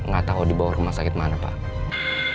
gak tau dibawa ke rumah sakit mana pak